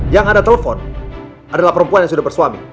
yang ada telepon adalah perempuan yang sudah bersuami